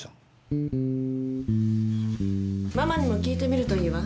ママにも訊いてみるといいわ。